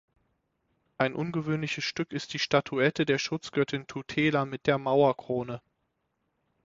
Ein ungewöhnliches Stück ist die Statuette der Schutzgöttin Tutela mit der Mauerkrone.